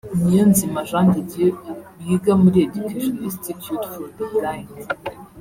Niyonzima Jean de Dieu wiga muri Educational Institute for the Blind